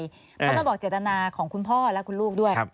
เพราะมันบอกเจตนาของคุณพ่อและคุณลูกด้วย